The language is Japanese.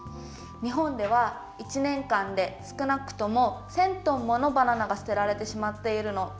にほんではいちねんかんですくなくとも１，０００トンものバナナがすてられてしまっているの。